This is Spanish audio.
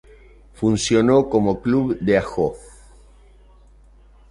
Funcionó como Club de Ajó.